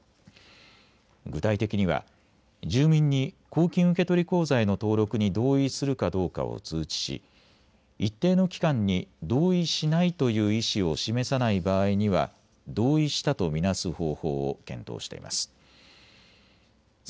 具体的には住民に公金受取口座への登録に同意するかどうかを通知し一定の期間に同意しないという意思を示さない場合には同意したと見なす方法を検討しています。